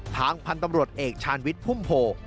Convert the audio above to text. ทางพันธ์ตำรวจเอกชาญวิทย์พุ่มโพ